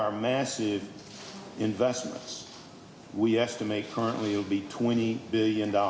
dengan sekitar setengah pendapatan